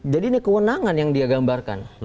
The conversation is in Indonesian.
jadi ini keundangan yang dia gambarkan